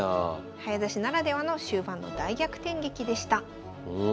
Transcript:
早指しならではの終盤の大逆転劇でした。